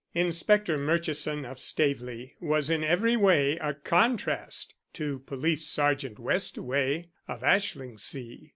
Inspector Murchison of Staveley was in every way a contrast to Police Sergeant Westaway of Ashlingsea.